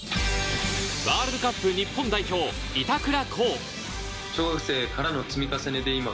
ワールドカップ日本代表・板倉滉。